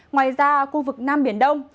ngoài ra khu vực nam biển đông